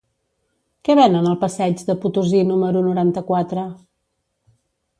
Què venen al passeig de Potosí número noranta-quatre?